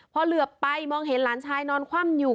พอเหลือไปมองเห็นหลานชายนอนคว่ำอยู่